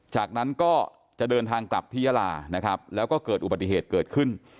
จากนั้นก็จะเดินทางกลับที่ยาลานะครับแล้วก็เกิดอุบัติเหตุเกิดขึ้น